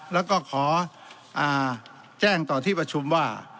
แล้วก็ขอแจ้งต่อที่ประชุมว่า